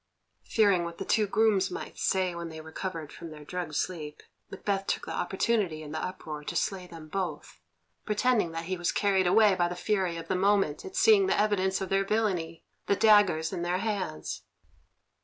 Fearing what the two grooms might say when they recovered from their drugged sleep, Macbeth took the opportunity in the uproar to slay them both, pretending that he was carried away by the fury of the moment at seeing the evidence of their villainy, the daggers in their hands.